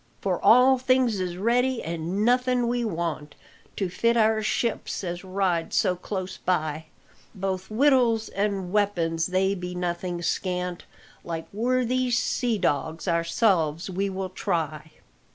"For all things is ready, an' nothing we want, To fit out our ship as rides so close by; Both wittles an' weapons, they be nothing scant, Like worthy sea dogs ourselves we will try!"